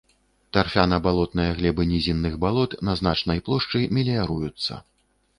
Тарфяна-балотныя глебы нізінных балот на значнай плошчы меліяруюцца.